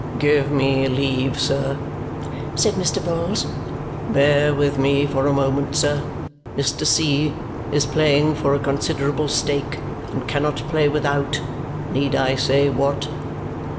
"Give me leave, sir," said Mr. Vholes. "Bear with me for a moment. Sir, Mr. C. is playing for a considerable stake, and cannot play without need I say what?"